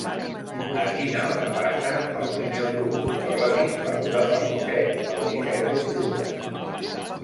A quina hora passa el primer autobús per la Bisbal de Falset el disset d'octubre?